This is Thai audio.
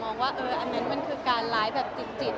มามองว่านั้นมันคือการร้ายจิต